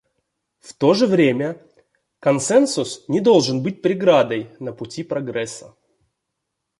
В то же время консенсус не должен быть преградой на пути прогресса.